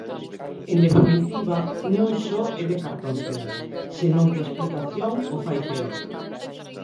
En definitiva, non só é de cartón-pedra, senón que a explicación o fai peor.